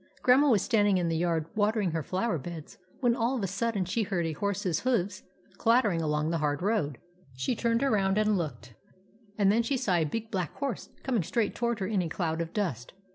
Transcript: Grandma was standing in the yard water ing her flower beds, when all of a sudden she heard a horse's hoofs clattering along the hard road. She turned around and looked, and then she saw a big black horse coming straight toward her in a cloud of dust.